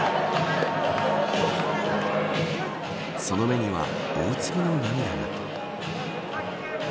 その目には、大粒の涙が。